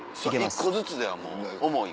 １個ずつではもう重い。